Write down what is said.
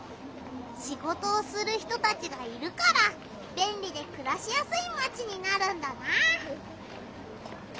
シゴトをする人たちがいるからべんりでくらしやすいマチになるんだな！